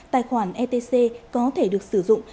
tài khoản etc có thể được sử dụng